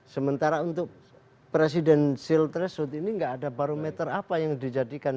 sementara untuk presidensial threshold ini nggak ada barometer apa yang dijadikan